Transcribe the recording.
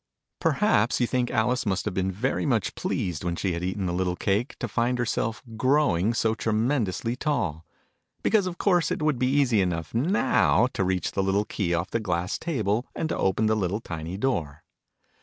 Pekhaps you think Alice must have been very much pleased, when she had eaten the little cake, to find herself growing so tremendously tall? Because of course it would be easy enough, now, to reach the little key off the glass table, and to open the little tiny door.